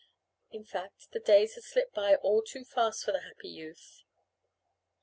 In fact the days had slipped by all too fast for the happy youth.